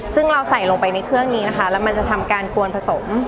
ซึ่งเราใส่ลงไปในเครื่องนี้นะคะแล้วมันจะทำการกวนผสม